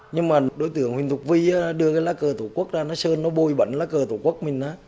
nhưng mà đối tượng huỳnh thục vy đưa cái lá cờ thổ quốc ra nó sơn nó bôi bẩn lá cờ thổ quốc mình đó